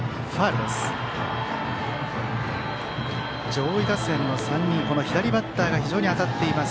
上位打線の３人左バッターが非常に当たっています。